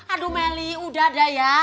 aduh meli udah dah ya